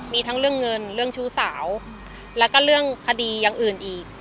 มีทั้งเรื่องเงินเรื่องชู้สาวแล้วก็เรื่องคดีอย่างอื่นอีก